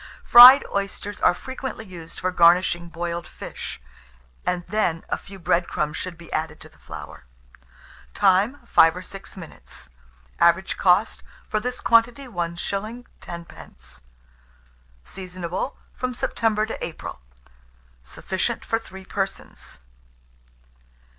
Fried oysters are frequently used for garnishing boiled fish, and then a few bread crumbs should be added to the flour. Time. 5 or 6 minutes. Average cost for this quantity, 1s. 10d. Seasonable from September to April. Sufficient for 3 persons.